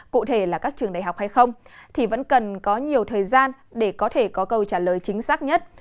cụ thể là các trường đại học hay không thì vẫn cần có nhiều thời gian để có thể có câu trả lời chính xác nhất